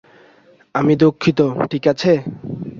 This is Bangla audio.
আমি দুঃখিত, ঠিক আছে?